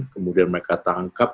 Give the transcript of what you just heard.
kemudian mereka tangkap